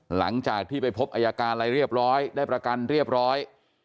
หลังจากที่ไปพบอายการได้ประกันเรียบร้อย